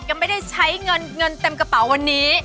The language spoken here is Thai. ยังไม่ได้ใช้เงินเงินเต็มกระเป๋าวันนี้